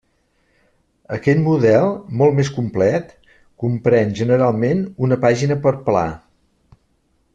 Aquest model, molt més complet, comprèn generalment una pàgina per pla.